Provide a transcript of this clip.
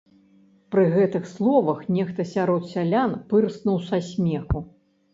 Пры гэтых словах нехта сярод сялян пырснуў са смеху.